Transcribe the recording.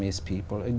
và đảm bảo rằng